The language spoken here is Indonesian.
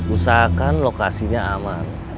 usahakan lokasinya aman